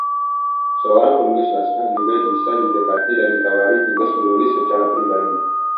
Seorang penulis naskah juga bisa didekati dan ditawari tugas menulis secara pribadi.